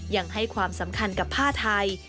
ยังให้ความสำคัญกับผ้าไทย